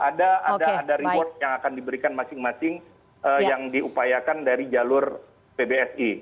ada reward yang akan diberikan masing masing yang diupayakan dari jalur pbsi